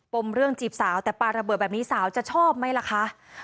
มเรื่องจีบสาวแต่ปลาระเบิดแบบนี้สาวจะชอบไหมล่ะคะ